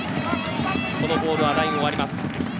このボールはラインを割ります。